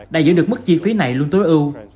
đã giữ được mức chi phí này luôn tối ưu